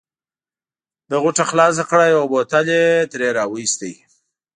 ده غوټه خلاصه کړه او یو بوتل یې ترې را وایست.